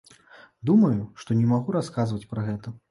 Думаю, што не магу расказваць пра гэта.